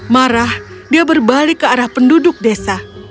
marah dia berbalik ke arah penduduk desa